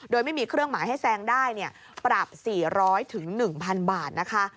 โดยไม่มีเครื่องหมายให้แซงได้ปรับ๔๐๐๑๐๐บาทนะคะ